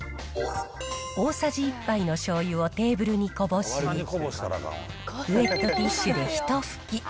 大さじ１杯のしょうゆをテーブルにこぼし、ウエットティッシュでひと拭き。